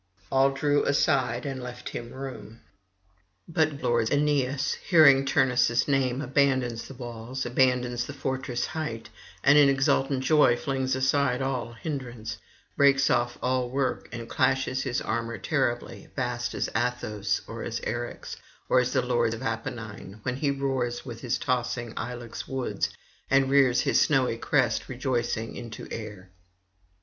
All drew aside and left him room. But lord Aeneas, hearing Turnus' name, abandons the walls, abandons the fortress height, and in exultant joy flings aside all hindrance, breaks off all work, and clashes his armour terribly, vast as Athos, or as Eryx, or as the lord of Apennine when he roars with his tossing ilex woods and rears his snowy crest rejoicing into air.